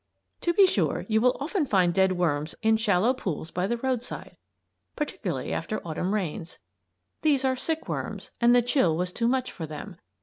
To be sure, you will often find dead worms in shallow pools by the roadside; particularly after Autumn rains. These are sick worms and the chill was too much for them.